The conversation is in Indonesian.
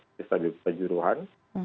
kita juga berjuruhan